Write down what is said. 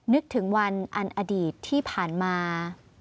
นึกถึงวันอันอดีตที่ผ่านมา